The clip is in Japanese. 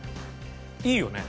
いいよね？